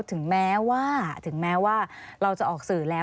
ถึงแม้ว่าเราจะออกสื่อแล้ว